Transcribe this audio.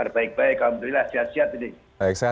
baik baik lawan sehat sehat